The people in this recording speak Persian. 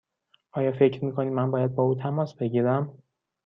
آیا فکر می کنی من باید با او تماس بگیرم؟